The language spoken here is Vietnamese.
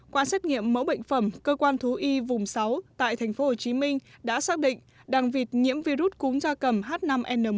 qua xét nghiệm mẫu bệnh phẩm cơ quan thú y vùng sáu tại tp hcm đã xác định đàn vịt nhiễm virus cúm da cầm h năm n một